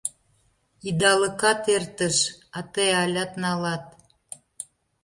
Идалыкат эртыш, а тый алят налат.